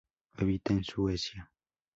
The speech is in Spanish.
Habita en Suecia.